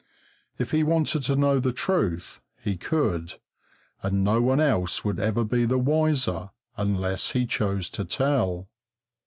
If he wanted to know the truth, he could, and no one else would ever be the wiser unless he chose to tell.